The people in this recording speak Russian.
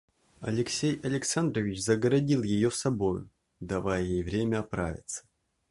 Алексей Александрович загородил ее собою, давая ей время оправиться.